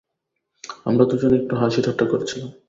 আমরা দুজনে একটু হাসি ঠাট্টা করছিলাম।